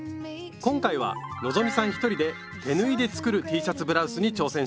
今回は希さん一人で「手縫いで作るＴシャツブラウス」に挑戦します。